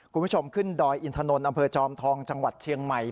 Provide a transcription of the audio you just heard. คุณผู้ชมขึ้นดอยอินทนนท์อำเภอจอมทองจังหวัดเชียงใหม่